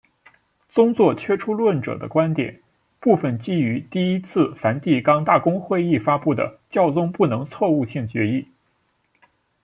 宗座缺出论者的观点部分基于第一次梵蒂冈大公会议发布的教宗不能错误性决议。